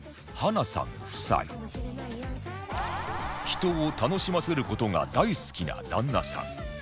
人を楽しませる事が大好きな旦那さん